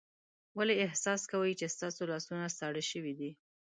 ولې احساس کوئ چې ستاسو لاسونه ساړه شوي دي؟